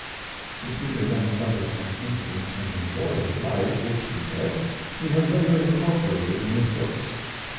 The speaker then cited some incidents from his boyhood life which, he said, he had later incorporated in his books.